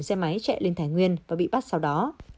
xe máy chạy lên thái nguyên và bị bắt sau đó